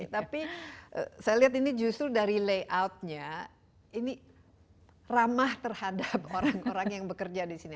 tapi saya lihat ini justru dari layoutnya ini ramah terhadap orang orang yang bekerja di sini